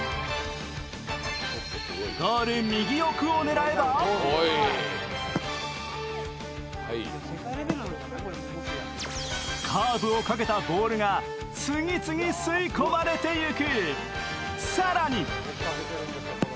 ゴール右奥を狙えばカーブをかけたボールが次々吸い込まれていく。